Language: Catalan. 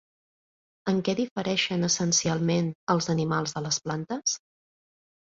En què difereixen essencialment els animals de les plantes?